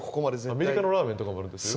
アメリカのラーメンとかもあるんですよ。